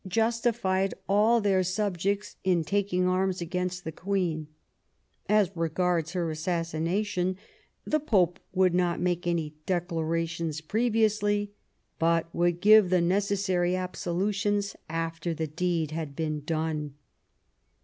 justified all her subjects in taking arms against the Queen ; as regards her assassina tion, the Pope would not make any declaration previously, but would give the necessary absolutions after the deed had been done.